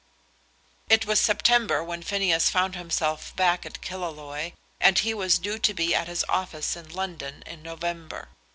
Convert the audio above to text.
It was September when Phineas found himself back at Killaloe, and he was due to be at his office in London in November.